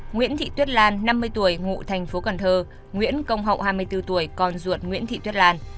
nguyễn thị tuyết lan năm mươi tuổi ngụ thành phố cần thơ nguyễn công hậu hai mươi bốn tuổi con ruột nguyễn thị tuyết lan